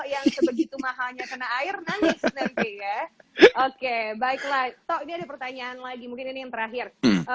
yang sebegitu mahalnya kena air nangis nanti ya oke baiklah toh ini ada pertanyaan lagi mungkin ini yang terakhir